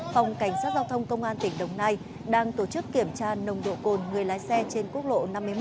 phòng cảnh sát giao thông công an tỉnh đồng nai đang tổ chức kiểm tra nồng độ cồn người lái xe trên quốc lộ năm mươi một